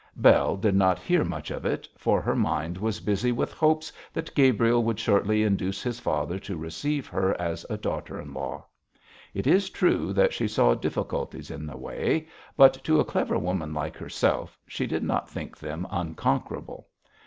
Bell did not hear much of it, for her mind was busy with hopes that Gabriel would shortly induce his father to receive her as a daughter in law. It is true that she saw difficulties in the way, but, to a clever woman like herself, she did not think them unconquerable.